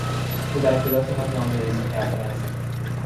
او در کلاس من نامنویسی کرده است.